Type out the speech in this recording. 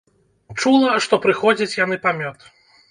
Чула, што прыходзяць яны па мёд.